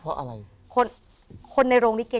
เพราะอะไรคนคนในโรงลิเก